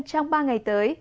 trong ba ngày tới